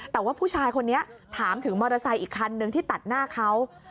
แต่ว่าผู้ชายคนนี้ถามถึงมอเตอร์ไซค์อีกคันนึงที่ตัดหน้าเขา